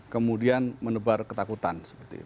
kemudian menebar ketakutan